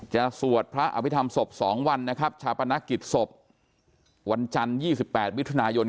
จะสวดพระอภิษฐรรมศพสองวันนะครับชาปนกิจศพวันจันทร์ยี่สิบแปดวิทยุธนายน